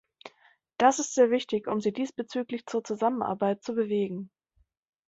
Das ist sehr wichtig, um sie diesbezüglich zur Zusammenarbeit zu bewegen.